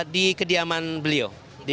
di kediaman beliau